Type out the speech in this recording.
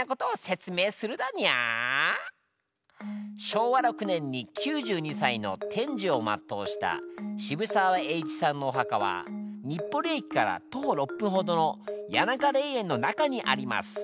昭和６年に９２歳の天寿をまっとうした渋沢栄一さんのお墓は日暮里駅から徒歩６分ほどの谷中霊園の中にあります。